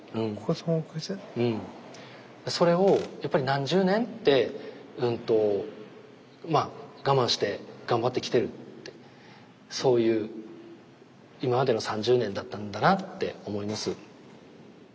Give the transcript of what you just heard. それをやっぱり何十年って我慢して頑張ってきてるってそういう今までの３０年だったんだなって思います。